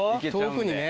遠くにね